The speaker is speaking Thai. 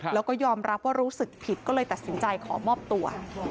แล้วก็ยอมรับว่ารู้สึกผิดก็เลยตัดสินใจขอมอบตัว